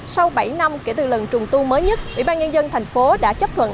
sau bảy năm kể từ lần trùng tu mới nhất ủy ban nhân dân thành phố đã chấp thuận